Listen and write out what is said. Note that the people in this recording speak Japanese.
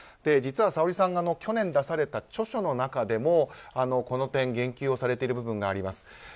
実は、Ｓａｏｒｉさんは去年、出された著書の中でもこの点、言及をされている部分があります。